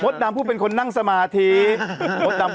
มดดำผู้เป็นคนนั่งสมาธิต